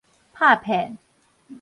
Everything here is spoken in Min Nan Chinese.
拍騙